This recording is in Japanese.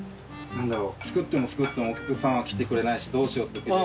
何だろう作っても作ってもお客さんは来てくれないしどうしようってときで。